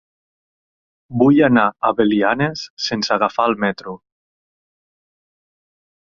Vull anar a Belianes sense agafar el metro.